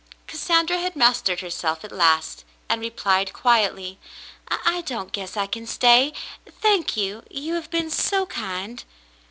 Cassandra had mastered herself at last, and replied quietly : "I don't guess I can stay, thank you. You have been so kind."